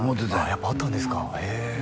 やっぱあったんですかへえ